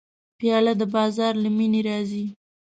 پیاله د بازار له مینې راځي.